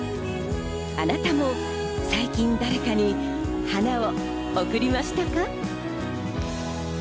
あなたも最近、誰かに花を贈りましたか？